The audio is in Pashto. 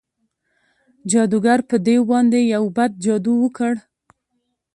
جادوګر په دیو باندې یو بد جادو وکړ.